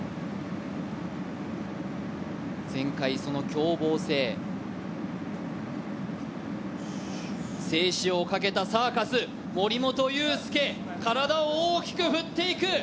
前回、その凶暴性生死をかけたサーカス、体を大きく振っていく。